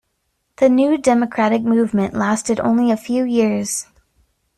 The New Democratic Movement lasted only a few years.